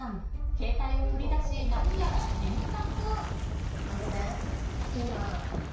携帯を取り出し、何やら検索。